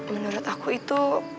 menurut aku itu